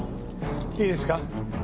いいですか？